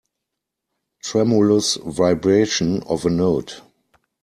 Tremulous vibration of a note.